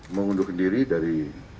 mengunduhkan diri dari